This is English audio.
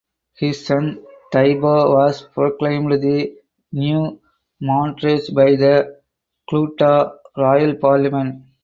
His son Thibaw was proclaimed the new monarch by the Hluttaw (royal parliament).